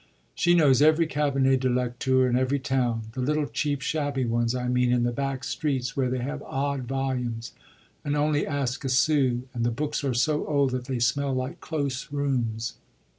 She knows every cabinet de lecture in every town; the little, cheap, shabby ones, I mean, in the back streets, where they have odd volumes and only ask a sou and the books are so old that they smell like close rooms.